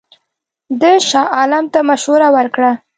ده شاه عالم ته مشوره ورکړه.